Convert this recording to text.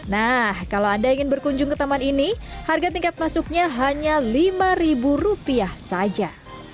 nah kalau anda ingin berkunjung ke taman ini harga tingkat masuknya hanya lima rupiah saja